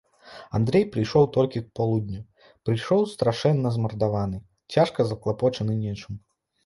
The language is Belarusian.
Андрэй прыйшоў толькі к полудню, прыйшоў страшэнна змардаваны, цяжка заклапочаны нечым.